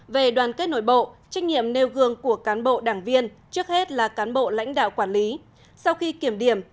về đoàn kết nội bộ trách nhiệm nêu gương của cán bộ đảng viên trước hết là cán bộ lãnh đạo quản lý sau khi kiểm điểm